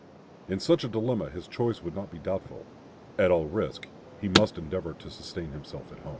In such a dilemma his choice could not be doubtful. At all risk he must endeavor to sustain himself at home.